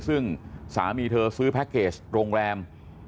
ซึ่งสามีเธอซื้อแพ็คเกจโรงแรม